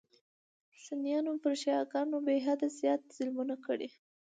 سنیانو پر شیعه ګانو بېحده زیات ظلمونه کړي.